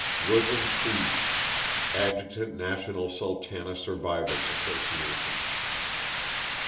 WILLIAM FIES. (Adjutant National "■ SuUaTia'''' Survivors* Association.)